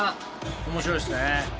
面白いですね。